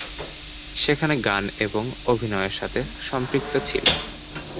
সেখানে গান এবং অভিনয়ের সঙ্গে সম্পৃক্ত ছিলেন।